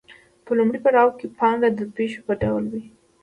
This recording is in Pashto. په لومړي پړاو کې پانګه د پیسو په ډول وي